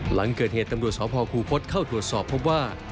หลังเกิดเหตุตำรวจสพคูคศเข้าตรวจสอบพบว่า